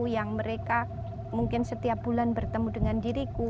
yang mereka mungkin setiap bulan bertemu dengan diriku